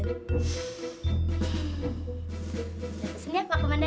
lihat sini pak komandan ya